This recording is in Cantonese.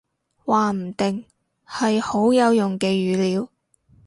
話唔定，係好有用嘅語料